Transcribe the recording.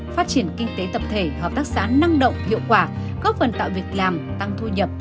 phát triển kinh tế tập thể hợp tác xã năng động hiệu quả góp phần tạo việc làm tăng thu nhập